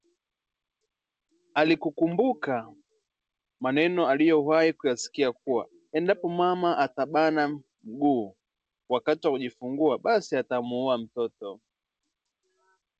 Alikumbuka maneno aliyowahi kuyasikia kuwa, endapo mama atabana miguu wakati wa kujifungua basi atamuua mtoto